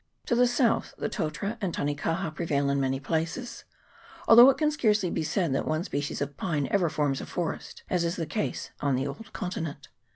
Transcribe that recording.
To the south the totara and tanekaha prevail in many places, although it can scarcely be said that one species of pine ever forms a forest, as is the case on the old continent.